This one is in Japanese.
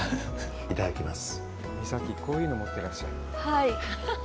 いただきます。